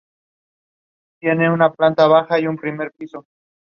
He was married to Ann Wynton who outlived him.